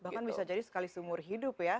bahkan bisa jadi sekali seumur hidup ya